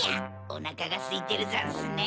おなかがすいてるざんすね。